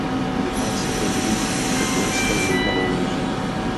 Jedná se o jednoduchý protokol s velmi malou režií.